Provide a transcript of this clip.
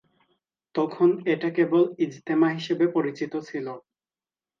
তখন এটা কেবল ইজতেমা হিসেবে পরিচিত ছিল।